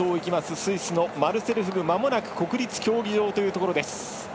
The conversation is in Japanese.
スイスのマルセル・フグまもなく国立競技場というところです。